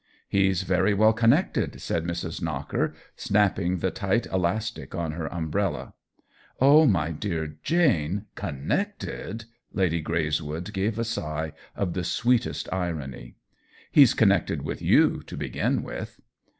"He's very well connected," said Mrs. Knocker, snapping the tight elastic on her umbrella. Oh, my dear Jane —* connected !'" Lady Greyswood gave a sigh of the sweetest irony. " He's connected with you, to begin with."